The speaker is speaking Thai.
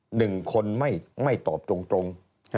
หนึ่งคนไม่ตอบตรง